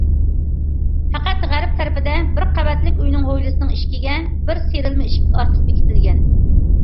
پەقەت غەرب تەرىپىدە بىر قەۋەتلىك ئۆينىڭ ھويلىسىنىڭ ئىشىكىگە بىر سىيرىلما ئىشىك ئارتۇق بېكىتىلگەن.